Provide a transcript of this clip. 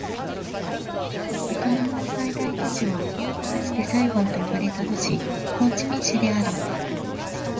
ベトナムの最大都市はかつてサイゴンと呼ばれた都市、ホーチミン市である